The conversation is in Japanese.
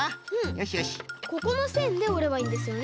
ここのせんでおればいいんですよね？